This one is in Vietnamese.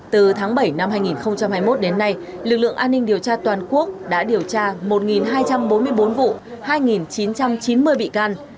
từ tháng bảy năm hai nghìn hai mươi một đến nay lực lượng an ninh điều tra toàn quốc đã điều tra một hai trăm bốn mươi bốn vụ hai chín trăm chín mươi bị can